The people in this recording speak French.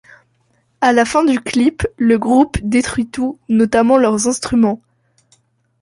À la fin du clip, le groupe détruit tout, notamment leurs instruments.